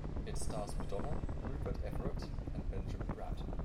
It stars Madonna, Rupert Everett, and Benjamin Bratt.